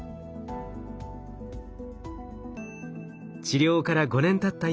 治療から５年たった